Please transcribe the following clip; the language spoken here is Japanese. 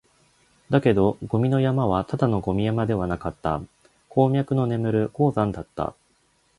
だけど、ゴミの山はただのゴミ山ではなかった、鉱脈の眠る鉱山だった